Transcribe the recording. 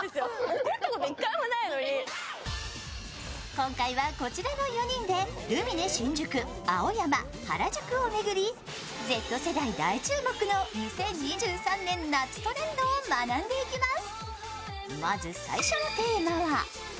今回はこちらの４人でルミネ新宿、青山、原宿を巡り、Ｚ世代大注目の２０２３年夏トレンドを学んでいきます。